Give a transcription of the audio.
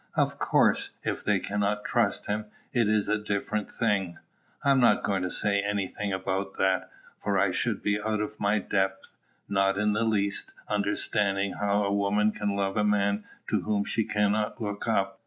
Of course, if they cannot trust him, it is a different thing. I am not going to say any thing about that; for I should be out of my depth, not in the least understanding how a woman can love a man to whom she cannot look up.